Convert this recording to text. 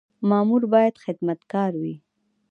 مامور باید خدمتګار وي